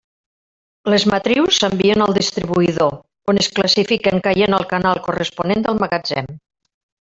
Les matrius s’envien al distribuïdor, on es classifiquen caient al canal corresponent del magatzem.